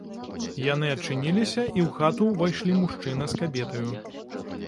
Яны адчыніліся, і ў хату ўвайшлі мужчына з кабетаю.